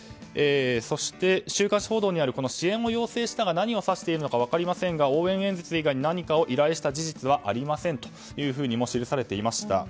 そして週刊誌報道にある支援を要請したが何を指しているか分かりませんが応援演説以外に何かを依頼した事実はありませんと記されていました。